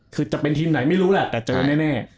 คือจะเป็นทีมไหนไม่รู้แหละแต่เจอแน่